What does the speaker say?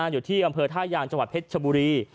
อยู่ที่อำเภอท่ายางจังหวัดเพชรชบุรี